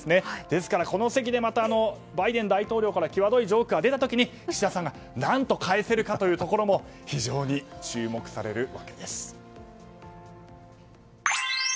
ですから、この席でまたバイデン大統領から際どいジョークが出た時に岸田総理が何と返せるか非常に注目されるわけです。